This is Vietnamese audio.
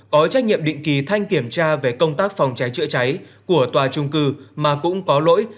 có trách nhiệm định kỳ thanh kiểm tra về công tác phòng cháy chữa cháy của tòa trung cư mà cũng có lỗi